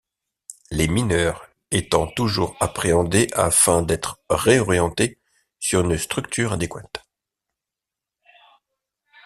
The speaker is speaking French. Les mineurs étant toujours appréhendés afin d'être réorientés sur une structure adéquate.